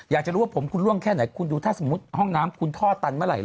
อยากจะรู้ว่าผมคุณล่วงแค่ไหนคุณดูถ้าสมมุติห้องน้ำคุณท่อตันเมื่อไหร